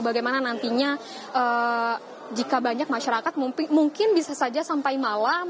bagaimana nantinya jika banyak masyarakat mungkin bisa saja sampai malam